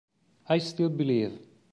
I Still Believe